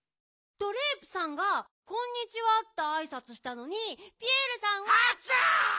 ドレープさんが「こんにちは」ってあいさつしたのにピエールさんは。あちゃ！